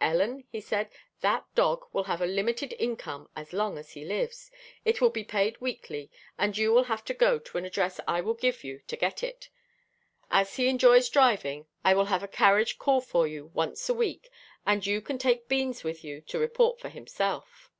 "Ellen," he said, "that dog will have a limited income as long as he lives. It will be paid weekly, and you will have to go to an address I will give you to get it. As he enjoys driving, I will have a carriage call for you once a week, and you can take Beans with you to report for himself."